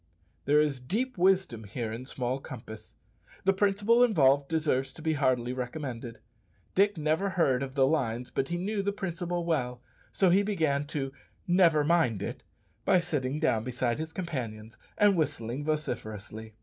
There is deep wisdom here in small compass. The principle involved deserves to be heartily recommended. Dick never heard of the lines, but he knew the principle well, so he began to "never mind it" by sitting down beside his companions and whistling vociferously.